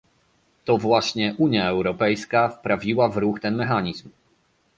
To właśnie Unia Europejska wprawiła w ruch ten mechanizm